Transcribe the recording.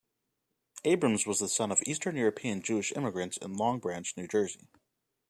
Abrams was the son of Eastern European Jewish immigrants in Long Branch, New Jersey.